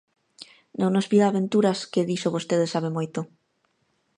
Non nos pida aventuras, que diso vostede sabe moito.